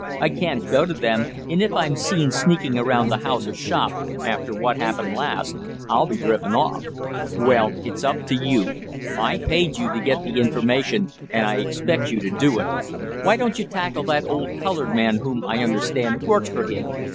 I can't go to them, and if I'm seen sneaking around the house or shop, after what happened last, I'll be driven off." "Well, it's up to you. I paid you to get the information and I expect you to do it. Why don't you tackle that old colored man whom, I understand, works for him?